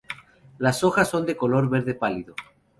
Las hojas son de color verde pálido.